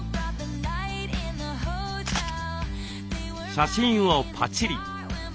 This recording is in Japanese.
写真をパチリ。